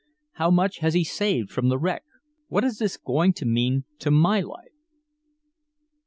How much has he saved from the wreck? What is this going to mean to my life?"